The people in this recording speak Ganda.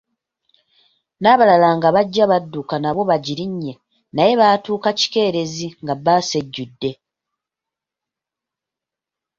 Nabalala nga bajja badduka nabo bajirinye naye baatuuka kikeerezi nga bbaasi ejjudde.